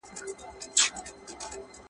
د نارینوو په لاس کي دي